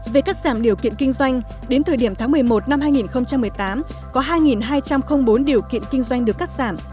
về cắt giảm điều kiện kinh doanh đến thời điểm tháng một mươi một năm hai nghìn một mươi tám có hai hai trăm linh bốn điều kiện kinh doanh được cắt giảm